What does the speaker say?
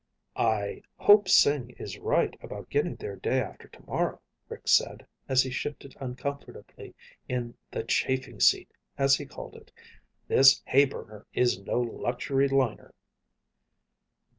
"I hope Sing is right about getting there day after tomorrow," Rick said as he shifted uncomfortably in the "chafing seat," as he called it. "This hay burner is no luxury liner."